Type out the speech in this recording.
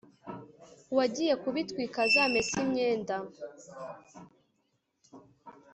Uwagiye kubitwika azamese imyenda